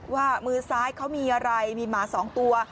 ว่ามือซ้ายเขามีอะไรมีหมา๒ตัว